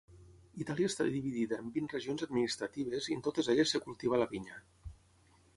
Itàlia està dividida en vint regions administratives i en totes elles es cultiva la vinya.